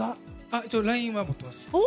ＬＩＮＥはできてます。